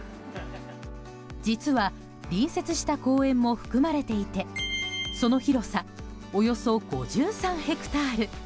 実は、隣接した公園も含まれていてその広さおよそ５３ヘクタール。